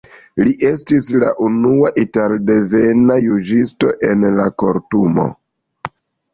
Li estis la unua italdevena juĝisto en la Kortumo.